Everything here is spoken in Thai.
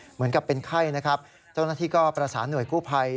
เหมือนกับเป็นไข้นะครับเจ้าหน้าที่ก็ประสานหน่วยกู้ภัย